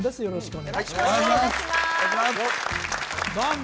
よろしくお願いします